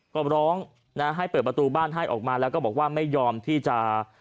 ก็ร้องนะให้เปิดประตูบ้านให้ออกมาแล้วก็บอกว่าไม่ยอมที่จะ